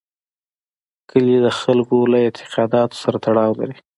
کلي د خلکو له اعتقاداتو سره تړاو لري.